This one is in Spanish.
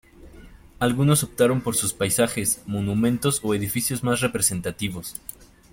Algunos optaron por sus paisajes, monumentos o edificios más representativos.